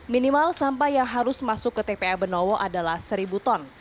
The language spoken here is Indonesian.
minimal sampah yang harus masuk ke tpa benowo adalah seribu ton